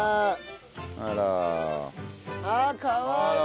あら。あっかわいい！